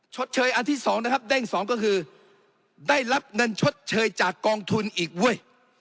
ชดเชยอันที่๒นะครับเด้งสองก็คือได้รับเงินชดเชยจากกองทุนอีกเว้ย